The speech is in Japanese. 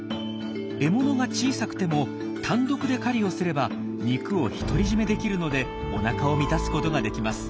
獲物が小さくても単独で狩りをすれば肉を独り占めできるのでおなかを満たすことができます。